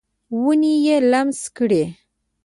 ونې یې لمس کړي